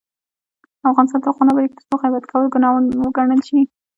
افغانستان تر هغو نه ابادیږي، ترڅو غیبت کول ګناه وګڼل شي.